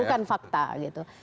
bukan fakta gitu